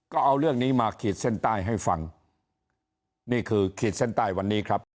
ก็เอาเรื่องนี้มาขีดเส้นใต้ให้ฟังนี่คือขีดเส้นใต้วันนี้ครับ